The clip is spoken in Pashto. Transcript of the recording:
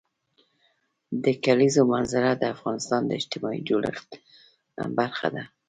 د کلیزو منظره د افغانستان د اجتماعي جوړښت برخه ده.